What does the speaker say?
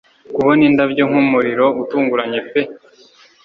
Kubona indabyo nkumuriro utunguranye pe